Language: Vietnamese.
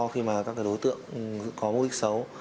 khi mà các đối tượng có mục đích xấu